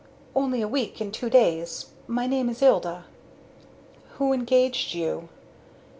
"Only a week and two days. My name is Ilda." "Who engaged you?"